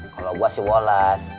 kalau gua sih woles